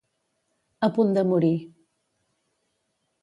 A punt de morir.